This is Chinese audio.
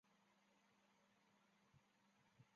而故事的本质经由设置在疗养院中被加强。